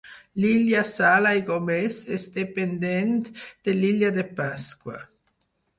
L'illa Sala i Gómez és dependent de l'illa de Pasqua.